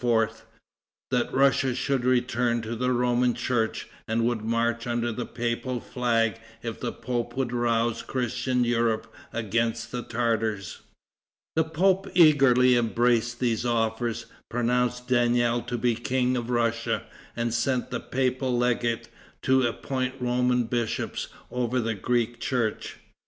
that Russia should return to the Roman church, and would march under the papal flag if the pope would rouse Christian Europe against the Tartars. The pope eagerly embraced these offers, pronounced Daniel to be King of Russia, and sent the papal legate to appoint Roman bishops over the Greek church.